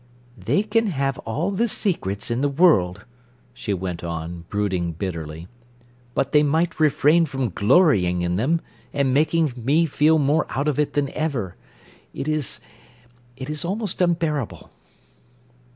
"They can have all the secrets in the world," she went on, brooding bitterly; "but they might refrain from glorying in them, and making me feel more out of it than ever. It is—it is almost unbearable."